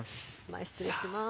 前失礼します。